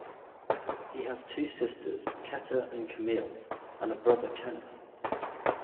He has two sisters, Keta and Camillie, and a brother, Kenneth.